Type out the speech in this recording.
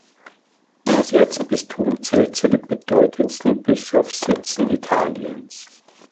Das Erzbistum zählt zu den bedeutendsten Bischofssitzen Italiens.